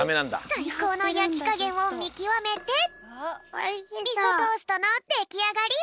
さいこうのやきかげんをみきわめてみそトーストのできあがり！